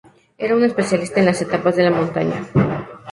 Era un especialista en las etapas de montaña.